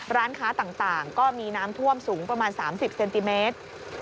ร้านค้าต่างก็มีน้ำท่วมสูงประมาณ๓๐เซนติเมตร